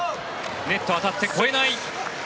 ネット当たって越えない。